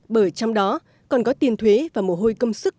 bởi trong đó còn có tiền thuế và mồ hôi công sức